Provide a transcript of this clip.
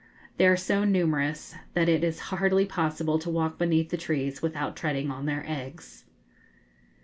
They are so numerous that it is hardly possible to walk beneath the trees without treading on their eggs.